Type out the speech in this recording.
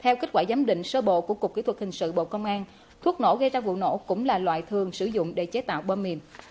theo kết quả giám định sơ bộ của cục kỹ thuật hình sự bộ công an thuốc nổ gây ra vụ nổ cũng là loại thường sử dụng để chế tạo bơm mìn